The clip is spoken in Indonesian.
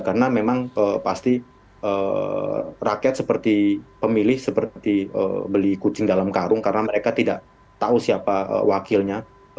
karena memang pasti rakyat seperti pemilih seperti beli kucing dalam karung karena mereka tidak tahu siapa wakilnya